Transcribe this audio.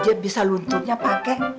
dia bisa lunturnya pake